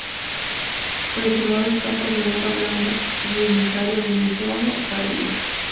Preservado en capas de roca blanda sedimentaria del Mioceno tardío.